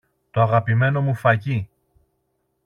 Το αγαπημένο μου φαγί!